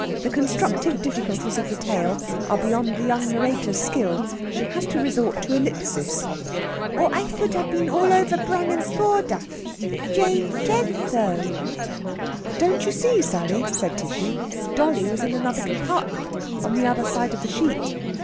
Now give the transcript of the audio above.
The constructive difficulties of the tale are beyond the young narrator's skill. She has to resort to ellipsis. "Or I sood have been all over brang and sawduss. Dane said so." "Don't you see, Sally," says Tishy, "dolly was in another compartment the other side of the sheet."